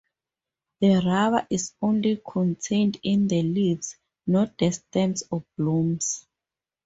The rubber is only contained in the leaves, not the stems or blooms.